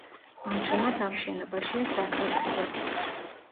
ამჟამად ამ შენობაშია საქართვ.